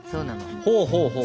ほうほうほうほう。